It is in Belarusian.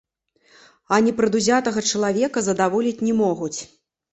А непрадузятага чалавека задаволіць не могуць.